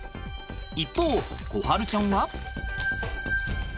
一方心晴ちゃんは。